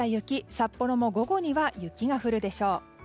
札幌も午後には雪が降るでしょう。